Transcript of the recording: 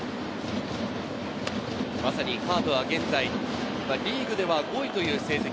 まさにカープは現在、リーグでは５位という成績。